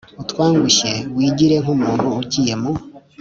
utwangushye wigire nk umuntu ugiye mu